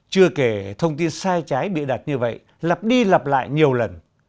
chưa kể thông tin sai trái bịa đặt như vậy lặp đi lặp lại nhiều lần